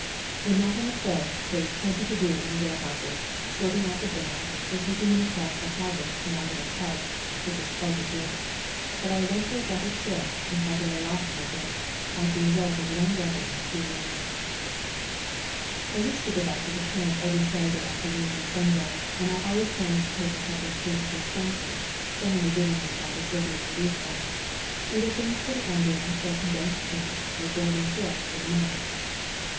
When not on the quay there was plenty to do in the warehouses, sorting out the bales, or taking them across the harbour in our little tug, which was quite a journey, but I eventually got a chill and had to lay off for a bit, as the result of one wetting too many. 224 WE GO TO CORFU I used to go back to camp every Saturday afternoon and Sunday, and I always managed to take up a couple of cases of something, generally given me by the Serbian Relief Fund ; either things for the ambulance or condensed milk or golden syrup for the men.